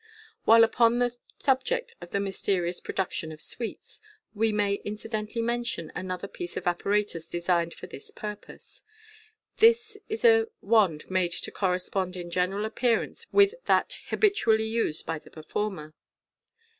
While upon the subject of the mysterious production of sweets, we may incidentally mention another piece of apparatus designed for this purpose. This is a wind, made to correspond in general appear ance with that habitually used by the performer.